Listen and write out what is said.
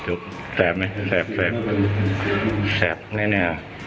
จุ๊บแซ่บมั้ยแซ่บแซ่บแซ่บแน่อ่ะ